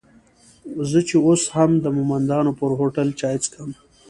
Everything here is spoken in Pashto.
زه چې اوس هم د مومندانو پر هوټل چای څکم.